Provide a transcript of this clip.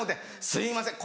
「すいません